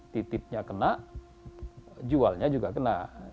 titipnya kena jualnya juga kena